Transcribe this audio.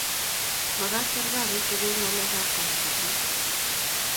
magat serekalit koker ngalek ab kabatishiet